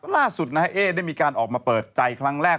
ล่าสุดนะเอ๊ได้มีการออกมาเปิดใจครั้งแรก